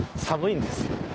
寒いんですよ。